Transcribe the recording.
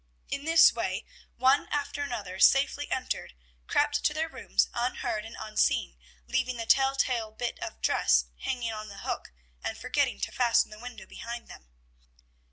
In this way, one after another safely entered, crept to their rooms unheard and unseen, leaving the tell tale bit of dress hanging on the hook, and forgetting to fasten the window behind them.